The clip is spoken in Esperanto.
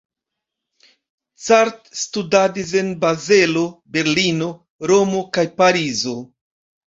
Cart studadis en Bazelo, Berlino, Romo kaj Parizo.